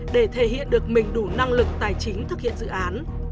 để thể hiện được mình đủ năng lực tài chính thực hiện dự án